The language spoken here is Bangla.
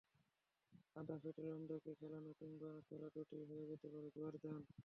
আধা ফিট রোনালদোকে খেলানো কিংবা না-খেলানো দুটিই হয়ে যেতে পারে জুয়ার দান।